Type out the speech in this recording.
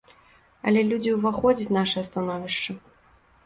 Але людзі ўваходзяць нашае становішча.